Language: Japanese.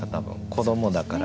子どもだから。